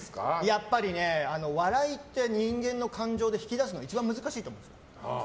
やっぱり笑いって人間の感情で引き出すのが一番難しいと思うんです。